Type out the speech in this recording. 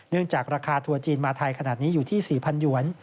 จากราคาทัวร์จีนมาไทยขนาดนี้อยู่ที่๔๐๐หยวน